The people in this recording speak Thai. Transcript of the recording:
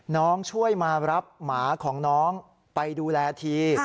น้องช่วยมารับหมาของน้องไปดูแลที